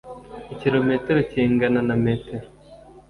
Ikirometero kingana na metero .